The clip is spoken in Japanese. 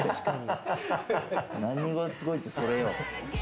何がすごいって、それよ。